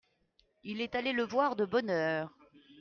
Il est allé le voir de bonne heure.